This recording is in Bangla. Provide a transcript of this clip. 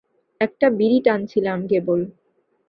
একটা বিড়ি টানছিলাম কেবল।